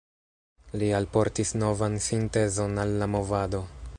Li alportis novan sintezon al la movado.